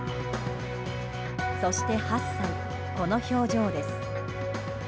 そして８歳、この表情です。